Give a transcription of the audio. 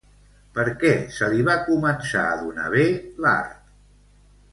Per què se li va començar a donar bé l'art?